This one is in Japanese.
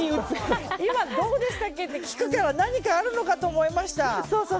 今、どうでしたっけって聞くから何かあるかと思いました。